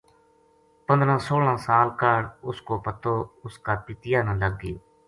پندرہ سوہلاں سال کاہڈ اس کو پتو اس کا پِتیا نا لگ گیو